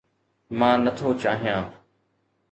مان نٿو چاهيان